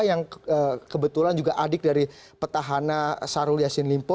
yang kebetulan juga adik dari petahana sarul yassin limpo